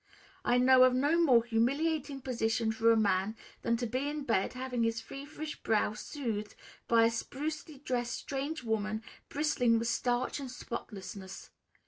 I know of no more humiliating position for a man than to be in bed having his feverish brow soothed by a sprucely dressed strange woman, bristling with starch and spotlessness.